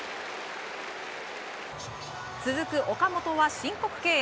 続く岡本は申告敬遠。